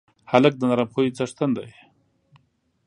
هلک د نرم خوی څښتن دی.